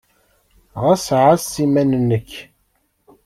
Ɣas ɛass iman-nnek!